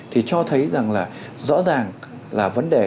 thì cho thấy rằng là rõ ràng là vấn đề